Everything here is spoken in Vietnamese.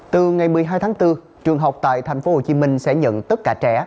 từ ngày một mươi hai tháng bốn trường học tại thành phố hồ chí minh sẽ nhận tất cả trẻ